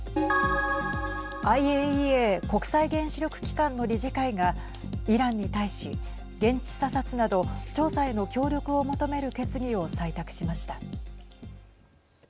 ＩＡＥＡ＝国際原子力機関の理事会がイランに対し、現地査察など調査への協力を求める決議を採択しました。